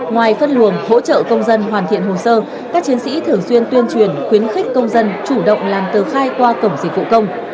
ngoài phân luồng hỗ trợ công dân hoàn thiện hồ sơ các chiến sĩ thường xuyên tuyên truyền khuyến khích công dân chủ động làm tờ khai qua cổng dịch vụ công